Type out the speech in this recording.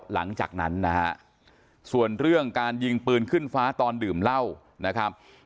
หลังจากนั้นนะฮะส่วนเรื่องการยิงปืนขึ้นฟ้าตอนดื่มเหล้านะครับ